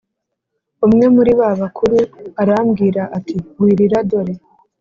Umwe muri ba bakuru arambwira ati Wirira dore